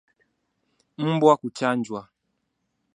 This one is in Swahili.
Mbwa kuchanjwa